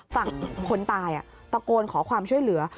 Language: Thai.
ฝั่งคนตายตะโกนขอความช่วยเหลือ